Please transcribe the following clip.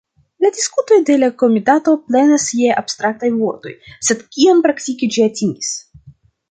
La diskutoj de la komitato plenas je abstraktaj vortoj, sed kion praktike ĝi atingis?